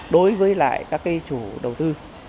đối với các chủ đầu tư